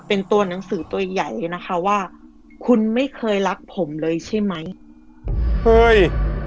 เป็นตัวหนังสือตัวใหญ่เลยนะคะว่าคุณไม่เคยรักผมเลยใช่ไหมเคย